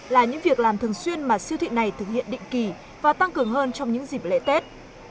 là những việc làm thường xuyên mà siêu thị này thực hiện định kỳ và tăng cường hơn trong những dịp lễ tết